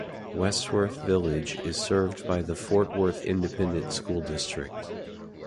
Westworth Village is served by the Fort Worth Independent School District.